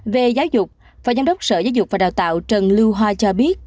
về giáo dục phó giám đốc sở giáo dục và đào tạo trần lưu hoa cho biết